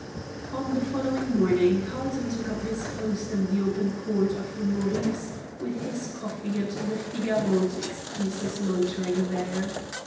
On the following morning Carlton took up his post in the open court of the Meurice, with his coffee and the Figaro to excuse his loitering there.